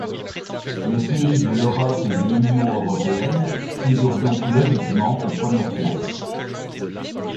Les pays de l'Europe et de l'Union européenne figurent donc logiquement aux premières places.